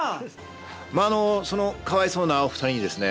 まぁそのかわいそうなお二人にですね